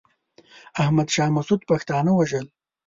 احمد شاه مسعود پښتانه وژل.